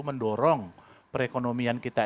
mendorong perekonomian kita